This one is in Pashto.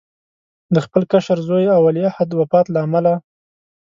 د خپل کشر زوی او ولیعهد وفات له امله.